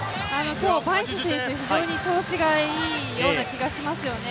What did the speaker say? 今日はバイス選手、非常に調子がいいような気がしますよね。